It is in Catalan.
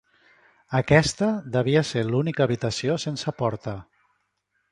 Aquesta devia ser l'única habitació sense porta.